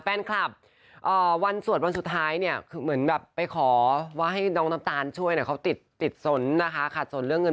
แฟนคลับวันสวดวันสุดท้ายเนี่ยคือเหมือนแบบไปขอว่าให้น้องน้ำตาลช่วยเนี่ยเขาติดสนนะคะขาดสนเรื่องเงิน